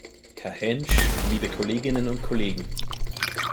Herr Hänsch, liebe Kolleginnen und Kollegen!